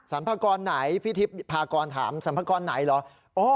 สัมภกรณ์ไหนพี่ทิพย์พากรถามสัมภกรณ์ไหนเหรอ